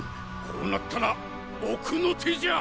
こうなったら奥の手じゃ！